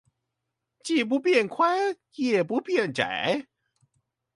既不變寬，也不變窄？